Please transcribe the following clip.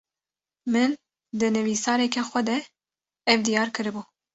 Min, di nivîsareke xwe de, ev diyar kiribû